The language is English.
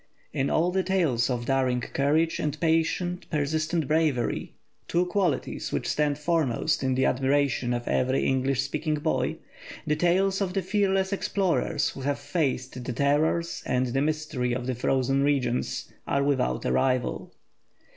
In all the tales of daring courage and patient, persistent bravery, two qualities which stand foremost in the admiration of every English speaking boy, the tales of the fearless explorers who have faced the terrors and the mystery of the frozen regions are without a rival.